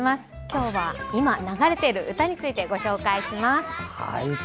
今日は今流れている歌についてご紹介します。